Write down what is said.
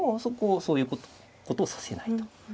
そこをそういうことをさせないと。